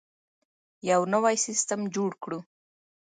یو نوی سیستم جوړ کړو.